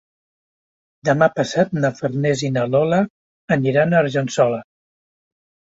Demà passat na Farners i na Lola aniran a Argençola.